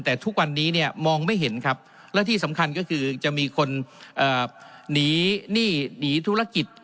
แต่ทุกวันนี้เนี่ยมองไม่เห็นครับและที่สำคัญก็คือจะมีคนหนีหนี้หนีธุรกิจ